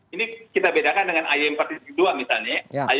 ini kita bedakan dengan iem empat dua misalnya